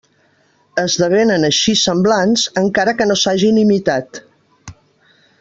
Esdevenen així semblants, encara que no s'hagin imitat.